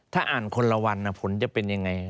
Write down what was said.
ถ้าอ่านคนละวันผลจะเป็นยังไง